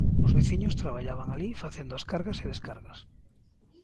Os veciños traballaban alí facendo as cargas e descargas.